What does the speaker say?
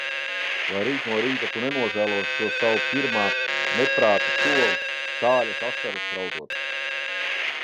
Vai rīt no rīta tu nenožēlosi šo savu pirmā neprāta soli, sāļas asaras raudot?